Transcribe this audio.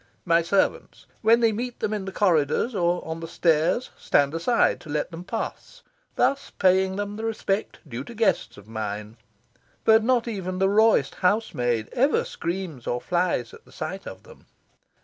My servants, when they meet them in the corridors or on the stairs, stand aside to let them pass, thus paying them the respect due to guests of mine; but not even the rawest housemaid ever screams or flees at sight of them.